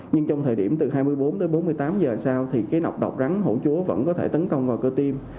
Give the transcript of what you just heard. nhưng trong thời điểm từ hai mươi bốn đến bốn mươi tám giờ sau thì cái nọc độc rắn hổ chúa vẫn có thể tấn công vào cơ tim